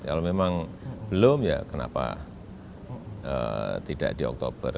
kalau memang belum ya kenapa tidak di oktober